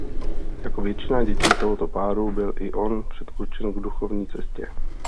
Jako většina dětí tohoto páru byl i on předurčen k duchovní cestě.